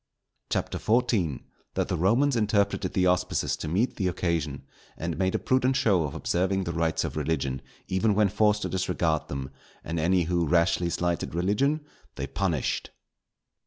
CHAPTER XIV.—_That the Romans interpreted the Auspices to meet the occasion; and made a prudent show of observing the Rites of Religion even when forced to disregard them; and any who rashly slighted Religion they punished.